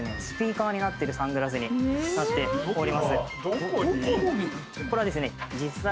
スピーカーになってるサングラスになっております。